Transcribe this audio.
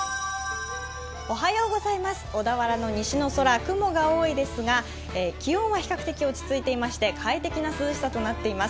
小田原の西の空、雲が多いですが、気温は比較的落ち着いていまして快適な涼しさとなっています。